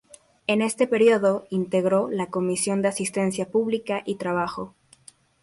En este período integró la Comisión de Asistencia Pública y Trabajo.